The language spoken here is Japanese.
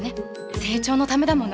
成長のためだもの。